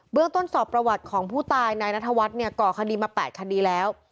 เรื่องต้นสอบประวัติของผู้ตายนายนัทวัฒน์เนี่ยก่อคดีมา๘คดีแล้ว